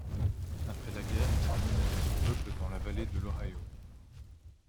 Après la guerre, il a déménagé son peuple dans la vallée de l'Ohio.